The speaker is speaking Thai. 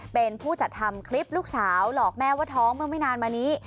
เป็นผู้จัดทำคลิปลูกสาวหลอกแม่ว่าท้องเมื่อไม่นานมานี้